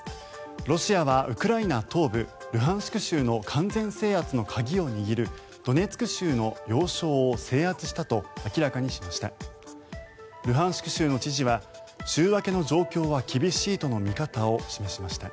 ロシアはウクライナ東部ルハンシク州の完全制圧の鍵を握るドネツク州の要衝を制圧したと明らかにしました。